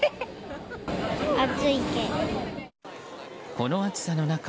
この暑さの中